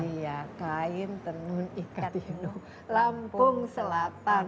iya kain penuh ikat inuh lampung selatan